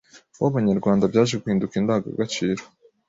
w’Abanyarwanda byaje guhinduka indangagaciro